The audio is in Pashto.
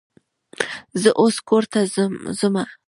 زه اوس کور ته ځمه.